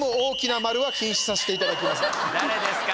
誰ですか？